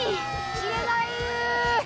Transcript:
きれない！